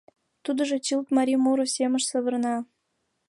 Тудыжо чылт марий муро семыш савырна.